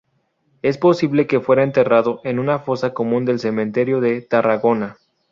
Es posible que fuera enterrado en una fosa común del cementerio de Tarragona.